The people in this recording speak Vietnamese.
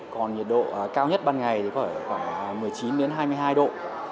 còn nhiệt độ cao nhất ban ngày thì có thể khoảng một mươi chín đến hai mươi hai độ